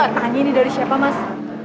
kamu gak tanya ini dari siapa mas